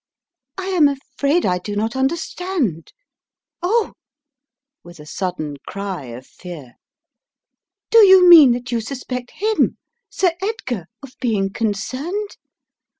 "I am afraid I do not understand. Oh! " with a sudden cry of fear, "do you mean that you suspect kirn, Sir Edgar, of being concerned?